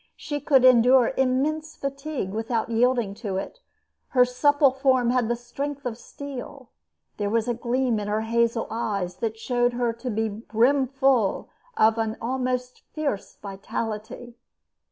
She could endure immense fatigue without yielding to it. Her supple form had the strength of steel. There was a gleam in her hazel eyes that showed her to be brimful of an almost fierce vitality.